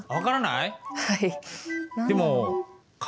はい。